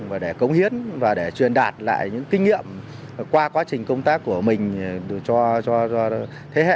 và để cống hiến và để truyền đạt lại những kinh nghiệm qua quá trình công tác của mình cho thế hệ